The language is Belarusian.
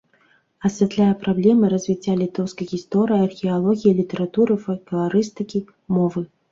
Асвятляе праблемы развіцця літоўскай гісторыі, археалогіі, літаратуры, фалькларыстыкі, мовы.